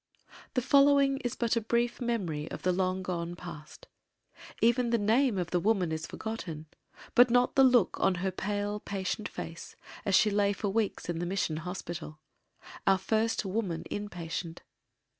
* The following is but a brief memory of the long gone past. Even the name of the woman is forgotten but not the look on her pale patient face as she lay for weeks in the Mission Hospital—our first woman in patient.